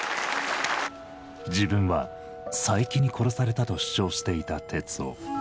自分は佐伯に殺されたと主張していた徹生。